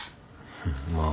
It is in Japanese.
まあ。